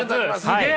すげえ。